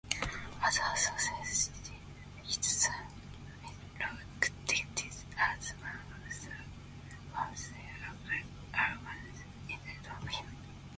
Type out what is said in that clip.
Other sources cited his son Philoctetes as one of the Argonauts instead of him.